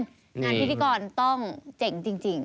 งานพิธีกรต้องเจ๋งจริง